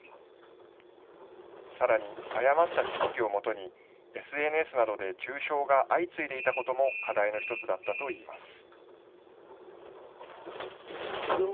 さらに、誤った知識をもとにＳＮＳなどで中傷が相次いでいたことも課題の１つだったといいます。